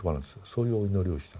そういうお祈りをした。